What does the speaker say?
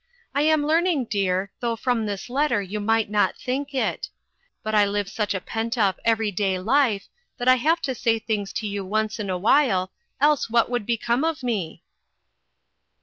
I am learning, dear, though from this letter you might not think it. But I live such a pent up, every day life 434 INTERRUPTED. that I have to say things to you once in a while, else what would become of me